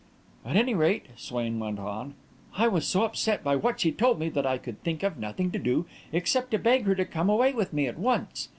"At any rate," Swain went on, "I was so upset by what she told me that I could think of nothing to do except to beg her to come away with me at once.